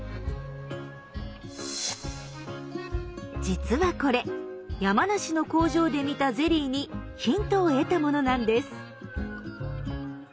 実はこれ山梨の工場で見たゼリーにヒントを得たものなんです。